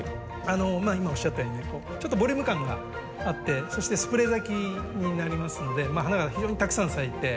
今おっしゃったようにねちょっとボリューム感があってそしてスプレー咲きになりますので花が非常にたくさん咲いて。